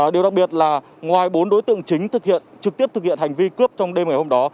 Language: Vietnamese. điều đặc biệt là ngoài bốn đối tượng chính thực hiện trực tiếp thực hiện hành vi cướp trong đêm ngày hôm đó